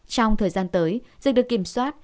trong thời gian tới dịch được kiểm soát